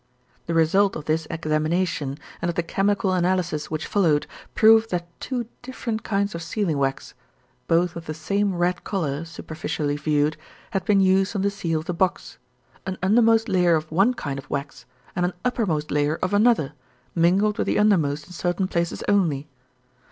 "The result of this examination, and of the chemical analyses which followed, proved that two different kinds of sealing wax (both of the same red color, superficially viewed) had been used on the seal of the box an undermost layer of one kind of wax, and an uppermost layer of another, mingled with the undermost in certain places only.